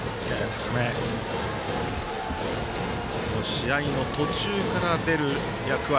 試合の途中から出る役割